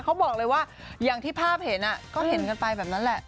เขาบอกเลยว่าอย่างที่ภาพเห็นก็เห็นกันไปแบบนั้นแหละ